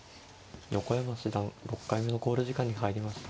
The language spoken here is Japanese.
横山七段６回目の考慮時間に入りました。